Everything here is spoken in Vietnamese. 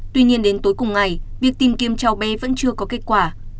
tuy nhiên đến tối cùng ngày việc tìm kiếm cháu bé vẫn chưa có kết quả